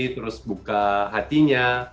terus buka hatinya